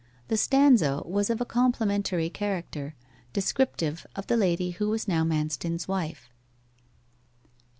The stanza was of a complimentary character, descriptive of the lady who was now Manston's wife.